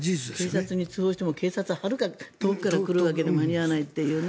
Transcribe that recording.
警察に通報しても警察ははるか遠くからで間に合わないと。